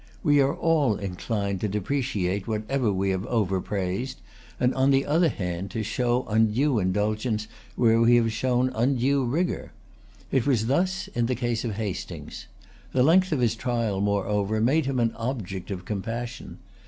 We are all inclined to depreciate whatever we have overpraised, and, on the other hand, to show undue indulgence where we have shown undue rigor. It was thus in the case of Hastings. The length of his trial, moreover, made him an object of compassion.